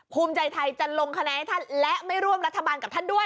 ภูมิใจไทยจะลงคะแนนให้ท่านและไม่ร่วมรัฐบาลกับท่านด้วย